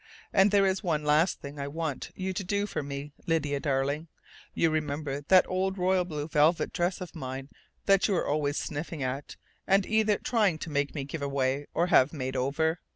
And there is one last thing I want you to do for me, Lydia darling. You remember that old royal blue velvet dress of mine that you were always sniffing at and either trying to make me give away or have made over?